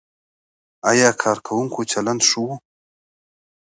ایا کارکوونکو چلند ښه و؟